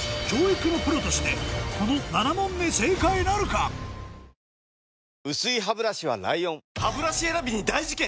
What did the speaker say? この７問目薄いハブラシは ＬＩＯＮハブラシ選びに大事件！